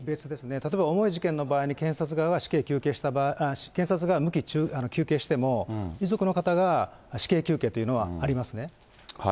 例えば、重い事件の場合に検察が無期求刑しても、遺族の方が死刑求刑というのはありますね。